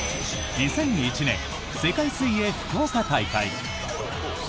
２００１年世界水泳福岡大会。